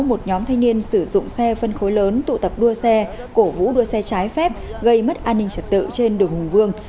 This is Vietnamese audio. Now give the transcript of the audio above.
một nhóm thanh niên sử dụng xe phân khối lớn tụ tập đua xe cổ vũ đua xe trái phép gây mất an ninh trật tự trên đường hùng vương